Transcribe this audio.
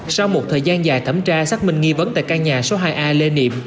sau một thời gian dài thẩm tra xác minh nghi vấn tại căn nhà số hai a lê niệm